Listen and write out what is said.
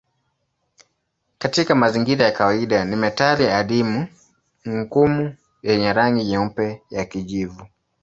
Katika mazingira ya kawaida ni metali adimu ngumu yenye rangi nyeupe ya kijivu.